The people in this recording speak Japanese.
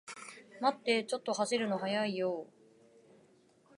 待ってー、ちょっと走るの速いよー